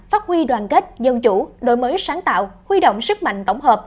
phát huy đoàn kết dân chủ đổi mới sáng tạo huy động sức mạnh tổng hợp